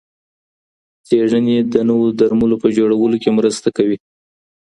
څېړني د نویو درملو په جوړولو کي مرسته کوي.